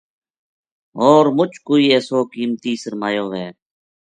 ہور مُچ کوئی ایسو قیمتی سرمایو وھے